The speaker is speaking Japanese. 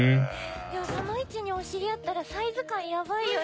その位置にお尻あったらサイズ感やばいよね。